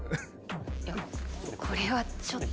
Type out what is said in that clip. これはちょっと。